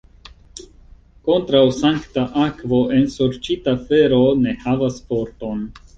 Kontraŭ sankta akvo ensorĉita fero ne havas forton.